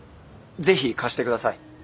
是非貸してください。